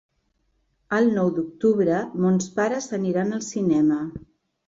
El nou d'octubre mons pares aniran al cinema.